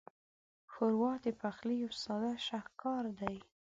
ښوروا د پخلي یو ساده شاهکار دی.